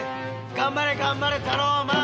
頑張れ頑張れタローマン！